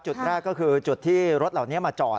จุดแรกก็คือจุดที่รถเหล่านี้มาจอด